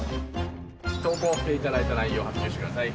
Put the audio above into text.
投稿して頂いた内容を発表してください。